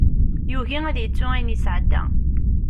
Yugi ad yettu ayen yesɛedda.